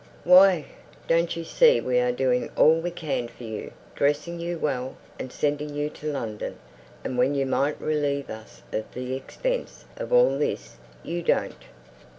"Why, don't you see we are doing all we can for you; dressing you well, and sending you to London; and when you might relieve us of the expense of all this, you don't."